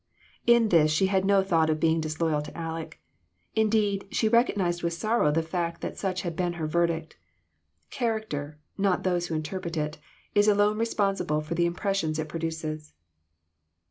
In this, she had no thought of being disloyal to Aleck. Indeed, she recognized with sorrow the fact that such had been her verdict. Character, not those who interpret it, is alone responsible for the impressions it produces.